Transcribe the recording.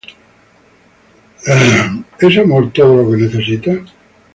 Love Is All You Need?